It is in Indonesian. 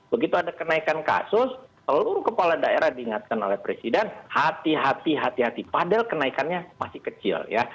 begitu ada kenaikan kasus seluruh kepala daerah diingatkan oleh presiden hati hati hati hati padahal kenaikannya masih kecil ya